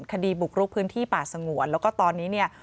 คดีบุกรุกพื้นที่ป่าสงวนแล้วก็ตอนนี้เนี่ย